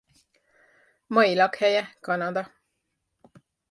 Mai lakhelye Kanada.